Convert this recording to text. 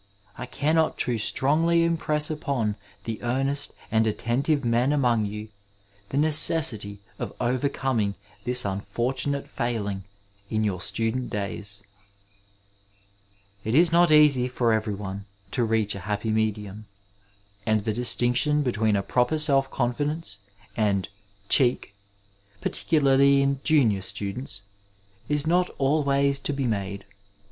I cannot too strongly impress upon the earnest and attentive men among you the necessity of overcoming this unfortunate failing in your student days 425 Digitized by Google THE STUDENT LIFE It is not eaftj for every one to reach a happy medinm, and the distinction between a proper self confidence and " cheek," particularly in junior students, is not always to be made.